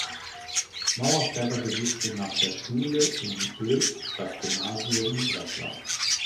Mauersberger besuchte nach der Schule in Oels das Gymnasium in Breslau.